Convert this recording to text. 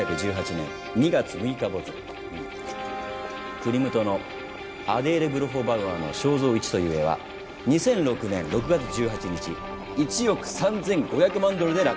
クリムトのアデ―レ・ブロッホ＝バウア―の肖像Ⅰという絵は２００６年６月１８日１億３，５００万ドルで落札。